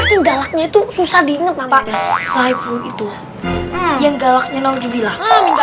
itu susah diinget pak syafu itu yang galaknya nauzubillah